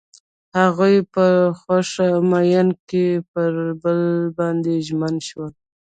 هغوی په خوښ مینه کې پر بل باندې ژمن شول.